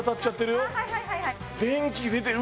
電気出てる。